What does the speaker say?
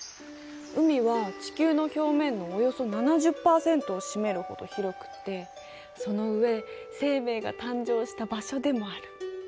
海は地球の表面のおよそ７０％を占めるほど広くってその上生命が誕生した場所でもある。